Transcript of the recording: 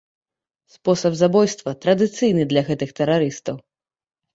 Спосаб забойства традыцыйны для гэтых тэрарыстаў.